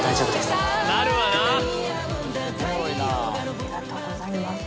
ありがとうございます。